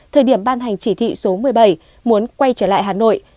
thời điểm ban hành chỉ thị số một mươi bảy muốn quay trở lại hà nội